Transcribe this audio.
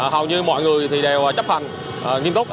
hầu như mọi người đều chấp hành nghiêm túc